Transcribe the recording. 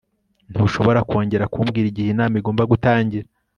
Ntushobora kongera kumbwira igihe inama igomba gutangira